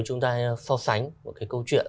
chúng ta so sánh một cái câu chuyện